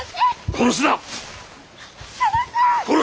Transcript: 殺すな！